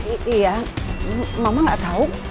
iya mama gak tau